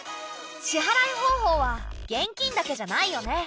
支払い方法は現金だけじゃないよね。